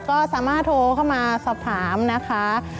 ก็สามารถโทรเข้ามาสอบถามนะคะ